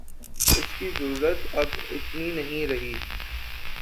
اس کی ضرورت اب اتنی نہیں رہی